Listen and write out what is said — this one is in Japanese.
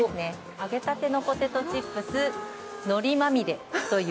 揚げたてのポテトチップスのりまみれという。